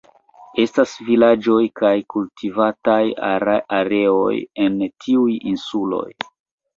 Estas vilaĝoj kaj kultivataj areoj en tiuj insuloj.